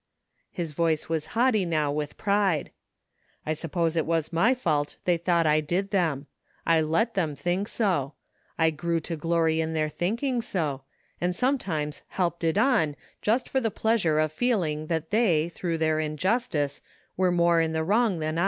His voice was haughty now with pride. " I suppose it was my fault they thought I did them. I let them think so— I grew to glory in their thinking so, and sometimes helped it on just for the pleasure of feeling that they, through their injustice, were more in the wrong than I.